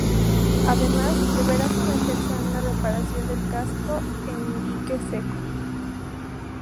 Además deberá someterse a una reparación del casco en dique seco.